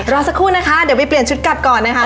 รอสักครู่นะคะเดี๋ยวไปเปลี่ยนชุดกลับก่อนนะคะ